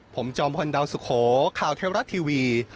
ผมจอมพลดาวสุโขข่าวเทวรัฐทีวี